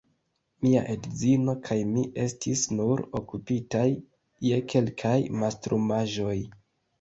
Mia edzino kaj mi estis nur okupitaj je kelkaj mastrumaĵoj.